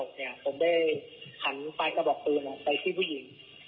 ผมได้หันปลายกระบอกปืนไปที่ผู้หญิง